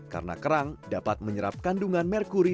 karena kerang dapat menyerap kandungan merkuri